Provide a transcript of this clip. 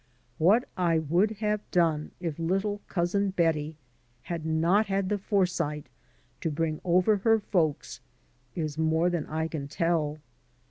What I would have done if httle Cousin Betty had not had the foresight to bring over her folks, is more than I can tell.